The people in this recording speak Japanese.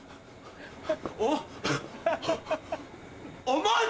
おっ。